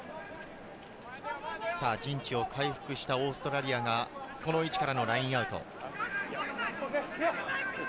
陣地を回復したオーストラリアがこの位置からのラインアウト。